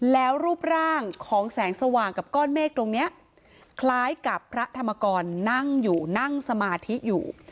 แล้วรูปร่างของแสงสว่างกับก้อนเมฆตรงนี้คล้ายกับพระธรรมกรนั่งอยู่นั่งสมาธิอยู่